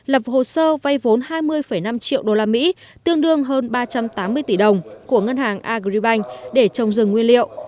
lập hồ sơ vay vốn hai mươi năm triệu usd tương đương hơn ba trăm tám mươi tỷ đồng của ngân hàng agribank để trồng rừng nguyên liệu